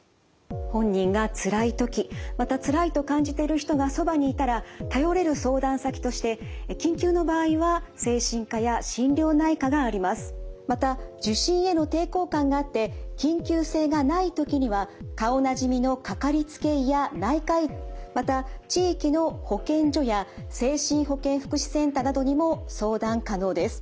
本人がつらい時またつらいと感じてる人がそばにいたら頼れる相談先としてまた受診への抵抗感があって緊急性がない時には顔なじみのかかりつけ医や内科医また地域の保健所や精神保健福祉センターなどにも相談可能です。